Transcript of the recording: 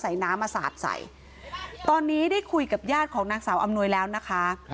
น้ำมาสาดใส่ตอนนี้ได้คุยกับญาติของนางสาวอำนวยแล้วนะคะ